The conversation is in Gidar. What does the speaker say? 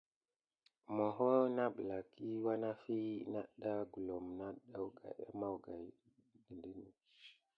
Moho na ɓelaki lwanafi natda gulome nat kupate à ma kigaya.